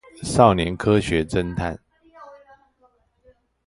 少年科學偵探